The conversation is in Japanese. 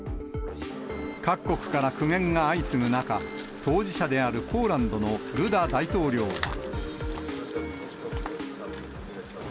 各国から苦言が相次ぐ中、当事者であるポーランドのドゥダ大統領は。